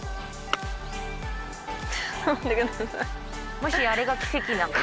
もしやあれが奇跡なんか？